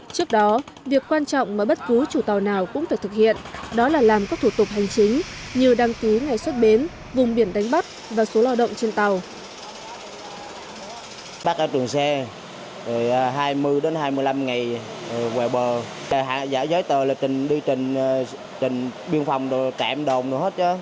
trước đó việc quan trọng mà bất cứ chủ tàu nào cũng phải thực hiện đó là làm các thủ tục hành chính như đăng cứu ngày xuất bến vùng biển đánh bắt và số lo động trên tàu